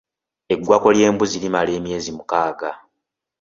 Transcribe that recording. Eggwako ly’embuzi limala emyezi mukaaga.